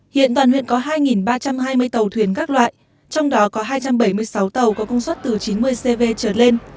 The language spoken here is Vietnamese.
hiện toàn huyện có hai ba trăm hai mươi tàu thuyền các loại trong đó có hai trăm bảy mươi sáu tàu có công suất từ chín mươi cv trở lên